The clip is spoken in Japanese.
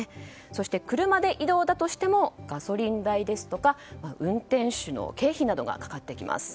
そして車で移動だとしてもガソリン代ですとか運転手の経費などがかかってきます。